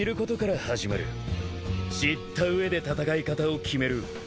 知った上で戦い方を決める。